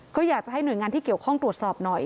ก็อยากจะให้หน่วยงานที่เกี่ยวข้องตรวจสอบหน่อย